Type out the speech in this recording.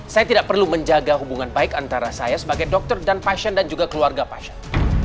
saya tidak perlu menjaga hubungan baik antara saya sebagai dokter dan pasien dan juga keluarga pasien